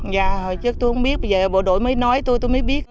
dạ hồi trước tôi không biết bây giờ bộ đội mới nói tôi tôi mới biết